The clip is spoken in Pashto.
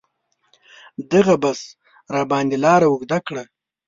دغه بس راباندې لاره اوږده کړه.